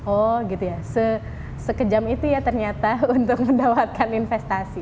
oh gitu ya sekejam itu ya ternyata untuk mendapatkan investasi